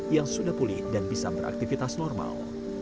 yang sudah pulih dan bisa beraktivitas normal